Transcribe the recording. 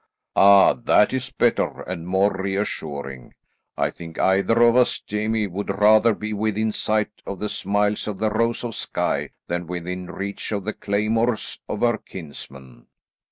"Ah, that is better and more reassuring. I think either of us, Jamie, would rather be within sight of the smiles of the Rose of Skye than within reach of the claymores of her kinsmen."